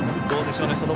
どうでしょうね。